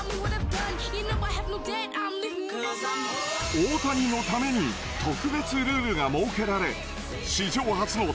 大谷のために特別ルールが設けられ史上初の投打